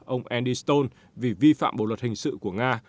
ông andy stone vì vi phạm bộ luật hình sự của nga